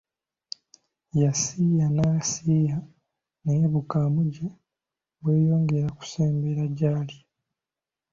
Yasiiya nasiiya naye bukamuje bwe yongera kusembera gy'ali.